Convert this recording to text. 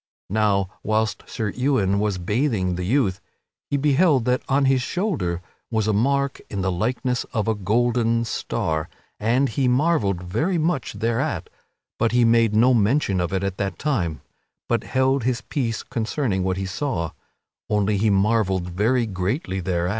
Now, whilst Sir Ewain was bathing the youth, he beheld that on his shoulder was a mark in the likeness of a golden star and he marvelled very much thereat; but he made no mention of it at that time, but held his peace concerning what he saw; only he marvelled very greatly thereat.